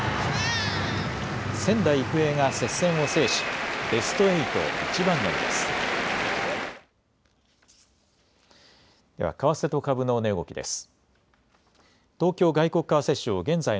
仙台育英が接戦を制しベスト８一番乗りです。